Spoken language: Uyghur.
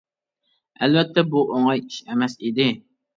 ئەلۋەتتە بۇ ئوڭاي ئىش ئەمەس ئىدى.